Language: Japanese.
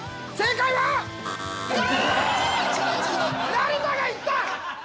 成田がいった！